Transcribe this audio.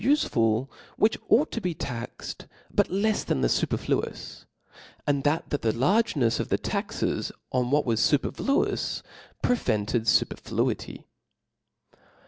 ufcful, which ought to be taxed, but left than the fuperQuousi and that the largeneis of the taxes on what was fupcrfluoiw, prevented fopcrfluity.